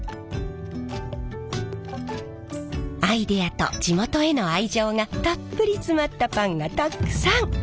アイデアと地元への愛情がたっぷり詰まったパンがたくさん。